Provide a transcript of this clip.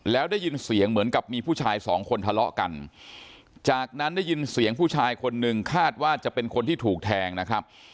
แล้วได้ยินเสียงเหมือนกับมีผู้ชายสองคนทะเลาะกันจากนั้นได้ยินเสียงผู้ชายคนนึงคาดว่าจะเป็นคนที่ถูกแทงนะครับ